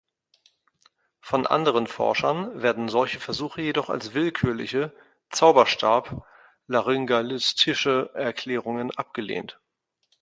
Von anderen Forschern werden solche Versuche jedoch als willkürliche, "zauberstab-laryngalistische" Erklärungen abgelehnt.